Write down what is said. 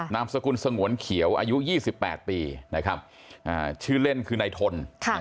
นามสกุลสงวนเขียวอายุ๒๘ปีชื่อเล่นคือนายทน